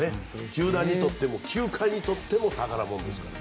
球団にとっても球界にとっても宝物ですから。